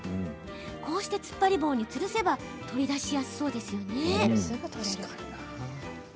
こうして、つっぱり棒につるせば取り出しやすそうですね。